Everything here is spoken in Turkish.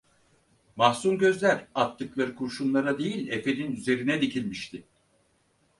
Mahzun gözler attıkları kurşunlara değil, efenin üzerine dikilmişti.